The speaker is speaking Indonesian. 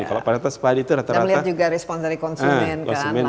dan melihat juga respons dari konsumen